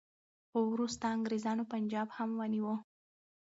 خو وروسته انګریزانو پنجاب هم ونیو.